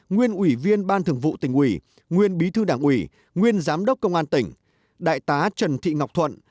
nguyên ủy viên ban thường vụ tỉnh ủy nguyên bí thư đảng ủy nguyên giám đốc công an tỉnh đại tá trần thị ngọc thuận